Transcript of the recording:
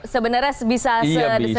sebenarnya bisa sederhana itu